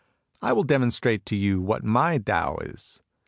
I will demonstrate to you what my Tao is."